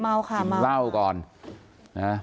เมาค่ะเมาค่ะจินเหล้าก่อนนะฮะ